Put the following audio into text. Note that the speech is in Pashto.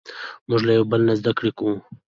موږ له یو بل نه زدهکړه کوو.